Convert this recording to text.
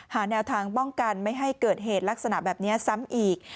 แนวทางป้องกันไม่ให้เกิดเหตุลักษณะแบบนี้ซ้ำอีก